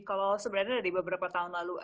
kalau sebenarnya dari beberapa orang